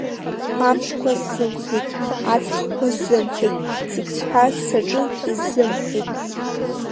Амшқәа сзымхеит, аҵхқәа сзымхеит, зегь сҳәарц саҿын исзымҳәеит.